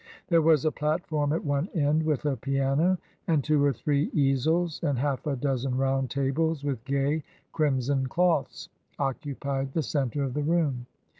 There was a platform at one end, with a piano; and two or three easels and half a dozen round tables, with gay, crimson cloths, occupied the centre of the room.